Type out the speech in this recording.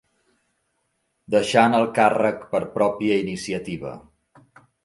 Deixant el càrrec per pròpia iniciativa.